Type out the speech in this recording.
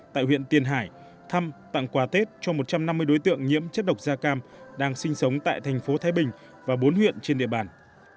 tại huyện tiền hải thăm tặng quà tết cho một trăm năm mươi đối tượng nhiễm chất độc da cam đang sinh sống tại thành phố thái bình và bốn huyện trên địa bàn